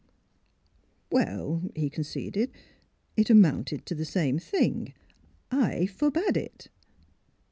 "" Well," he conceded, '' it amounted to the same thing. I forbade it."